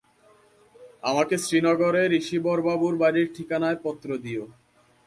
আমাকে শ্র্রীনগরে ঋষিবরবাবুর বাড়ীর ঠিকানায় পত্র দিও।